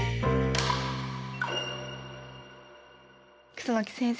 楠木先生